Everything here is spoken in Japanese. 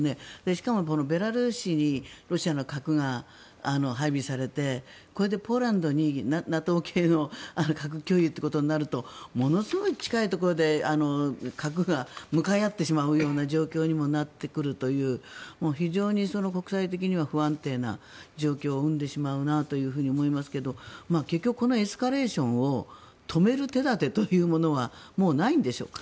しかも、このベラルーシにロシアの核が配備されて配備されてこれでポーランドにＮＡＴＯ系の核共有ということになるとものすごい近いところで核が向かい合ってしまう状況になってくるという非常に国際的には不安定な状況を生んでしまうなというふうに思いますが結局、エスカレーションを止める手立てというものはもうないんでしょうか。